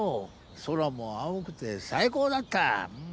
空も青くて最高だった。